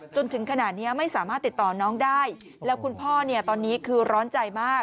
จนถึงขนาดนี้ไม่สามารถติดต่อน้องได้แล้วคุณพ่อเนี่ยตอนนี้คือร้อนใจมาก